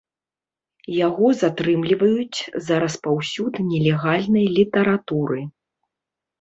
Яго затрымліваюць за распаўсюд нелегальнай літаратуры.